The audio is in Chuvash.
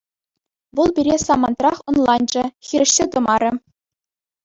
Вӑл пире самантрах ӑнланчӗ, хирӗҫсе тӑмарӗ.